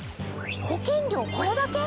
保険料これだけ？